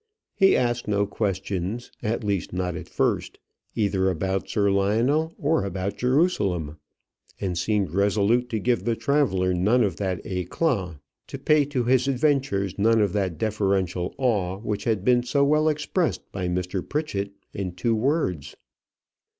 He asked no question at least, not at first either about Sir Lionel or about Jerusalem, and seemed resolute to give the traveller none of that éclat, to pay to his adventures none of that deferential awe which had been so well expressed by Mr. Pritchett in two words.